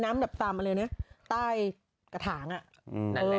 น้ำแบบทำอะไรเนี่ยใต้กระถางอ่ะอืม